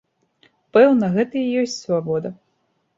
Пэўна, гэта і ёсць свабода.